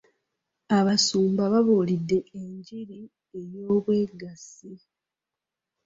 Abasumba babuulidde enjiri y'obwegassi.